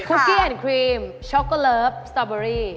คุกกี้แอนด์ครีมช็อกโกลับสตรอบเบอร์รี่